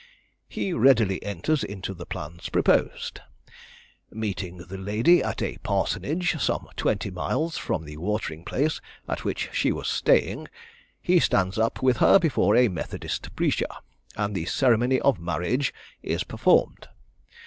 He readily enters into the plans proposed. Meeting the lady at a parsonage, some twenty miles from the watering place at which she was staying, he stands up with her before a Methodist preacher, and the ceremony of marriage is performed.